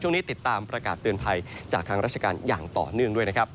ติดตามประกาศเตือนภัยจากทางราชการอย่างต่อเนื่องด้วยนะครับ